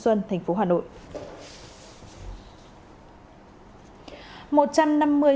xuân thành phố hà nội